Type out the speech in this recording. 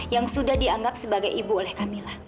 yang sudah dianggap sebagai ibu oleh kamil